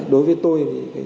đối với tôi thì